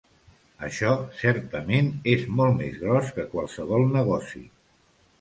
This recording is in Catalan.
Això, certament, és molt més gros que qualsevol negoci.